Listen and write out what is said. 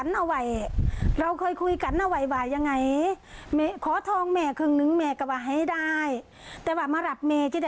เดี๋ยวผมนะจะไปขายแล้วก็จะให้ไอ้ใบเซ็ต